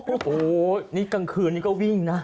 โอ้โหนี่กลางคืนนี้ก็วิ่งนะ